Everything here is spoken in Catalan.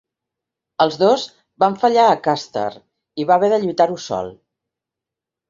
Els dos van fallar a Custer i va haver de lluitar-ho sol.